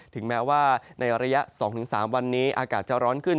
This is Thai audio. ถึงแม้ว่าในระยะ๒๓วันนี้อากาศจะร้อนขึ้น